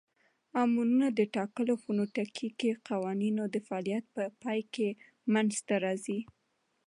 امونونه د ټاکلو فونیټیکښي قوانینو د فعالیت په پای کښي منځ ته راځي.